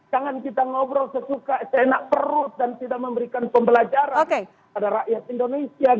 jangan kita ngobrol sesuka seenak perut dan tidak memberikan pembelajaran pada rakyat indonesia